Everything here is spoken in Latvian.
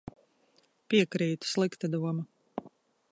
Piekrītu. Slikta doma.